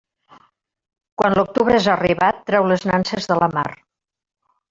Quan l'octubre és arribat, treu les nanses de la mar.